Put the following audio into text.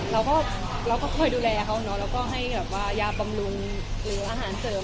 เราก็เราก็คอยดูแลเขาเนอะแล้วก็ให้แบบว่ายาบำรุงหรืออาหารเสริม